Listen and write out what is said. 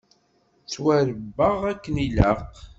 Ttwaṛebbaɣ akken ilaq.